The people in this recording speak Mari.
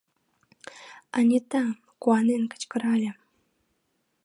Анита! — куанен кычкырале.